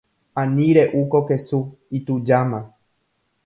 Ani re’u ko kesu. Itujáma.